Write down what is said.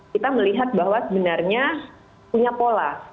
kita melihat bahwa sebenarnya punya pola